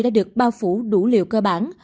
đã được bao phủ đủ liều cơ bản